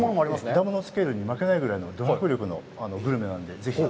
ダムのスケールに負けないぐらいのど迫力のグルメなので、ぜひ。